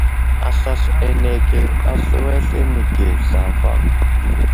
Aslasl anege a slu aslane ge zlavaŋ.